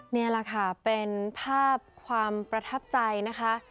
นี่แหละค่ะเป็นภาพความประทับใจนะคะ